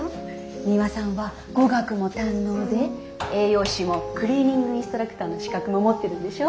ミワさんは語学も堪能で栄養士もクリーニングインストラクターの資格も持ってるんでしょ？